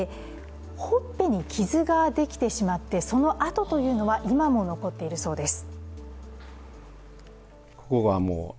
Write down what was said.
ほっぺに傷ができてしまってその痕というのは、今も残っているそうです。